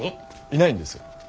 いないんです。